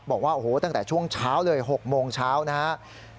บอกว่าโอ้โหตั้งแต่ช่วงเช้าเลย๖โมงเช้านะครับ